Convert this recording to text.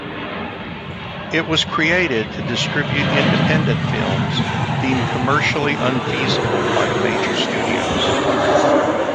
It was created to distribute independent films deemed commercially unfeasible by the major studios.